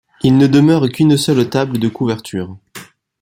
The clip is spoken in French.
Il ne demeure qu'une seule table de couverture.